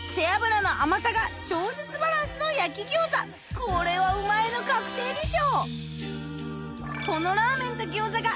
これはうまいの確定でしょ